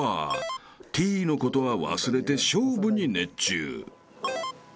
［ティーのことは忘れて勝負に熱中］